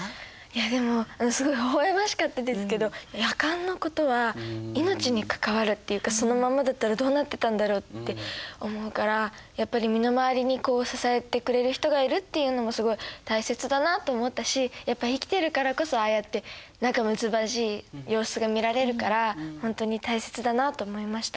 でもすごいほほ笑ましかったですけどヤカンのことは命に関わるっていうかそのままだったらどうなってたんだろうって思うからやっぱり身の回りに支えてくれる人がいるっていうのもすごい大切だなと思ったしやっぱ生きてるからこそああやって仲むつまじい様子が見られるからほんとに大切だなと思いました。